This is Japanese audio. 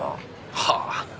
はあ！